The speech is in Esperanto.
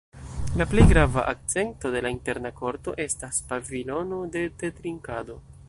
La plej grava akcento de la interna korto estas pavilono de tetrinkado.